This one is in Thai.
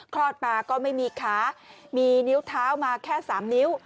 คลอดมาก็ไม่มีขามีนิ้วเท้ามาแค่๓นิ้ว